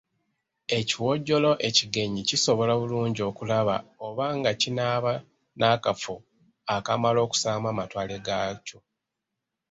Ekiwojjolo ekigenyi kisobola bulungi okulaba oba nga kinaaba n’akafo akamala okussaamu amatwale gaakyo.